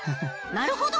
なるほど！